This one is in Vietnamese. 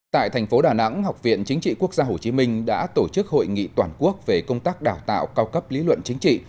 tại thành phố đà nẵng học viện chính trị quốc gia hồ chí minh đã tổ chức hội nghị toàn quốc về công tác đào tạo cao cấp lý luận chính trị